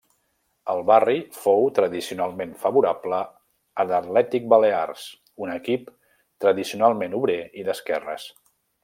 El barri fou tradicionalment favorable a l'Atlètic Balears, un equip tradicionalment obrer i d'esquerres.